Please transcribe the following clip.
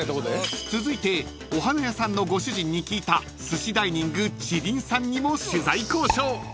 ［続いてお花屋さんのご主人に聞いたすしダイニング鈴音さんにも取材交渉］